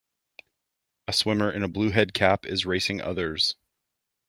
A swimmer in a blue head cap is racing others.